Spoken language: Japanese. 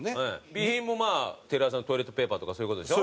備品もまあテレ朝のトイレットペーパーとかそういう事でしょ？